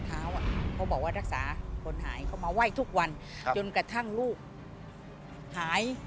เขามาไหว้ทุกวันจนกระทั่งลูกหาย